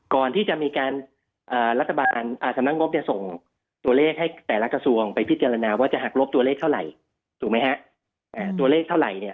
ก่อนที่จะมีการสำนักงบส่งตัวเลขให้แต่ละกระทรวงไปพิจารณาว่าจะหักลบตัวเลขเท่าไหร่